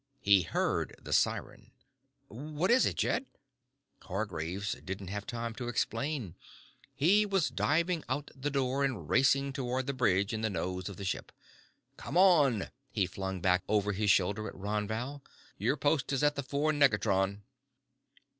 He heard the siren. "What is it, Jed?" Hargraves didn't have time to explain. He was diving out the door and racing toward the bridge in the nose of the ship. "Come on," he flung back over his shoulder at Ron Val. "Your post is at the fore negatron."